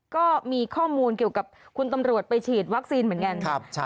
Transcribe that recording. ก็มีข้อมูลเกี่ยวกับคุณตำรวจไปฉีดวัคซีนเหมือนกัน